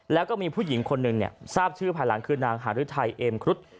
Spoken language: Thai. แล้วก็มีผู้หญิงคนหนึ่งทราบชื่อภายหลังคือนางหารึทัยเอ็มครุฑ